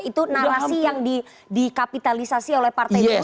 itu narasi yang dikapitalisasi oleh partai golkar